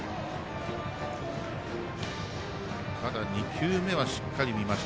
ただ２球目はしっかり見ました。